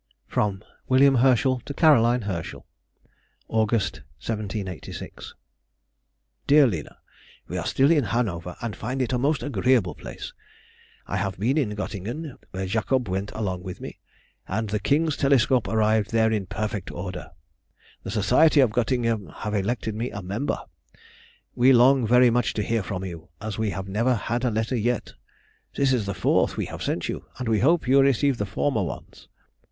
FROM W. HERSCHEL TO CAROLINE HERSCHEL. [August, 1786.] DEAR LINA,— We are still in Hanover, and find it a most agreeable place. I have been in Göttingen, where Jacob went along with me, and the King's telescope arrived there in perfect order. The Society of Göttingen have elected me a member. We long very much to hear from you, as we have never had a letter yet. This is the fourth we have sent you, and we hope you received the former ones.